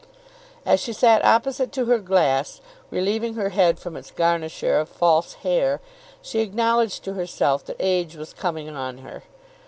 As she sat opposite to her glass, relieving her head from its garniture of false hair, she acknowledged to herself that age was coming on her.